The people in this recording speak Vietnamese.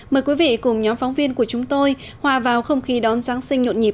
mời quý vị cùng nhóm phóng viên của chúng tôi hòa vào không khí đón giáng sinh nhộn nhịp